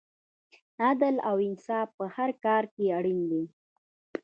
عدل او انصاف په هر کار کې اړین دی.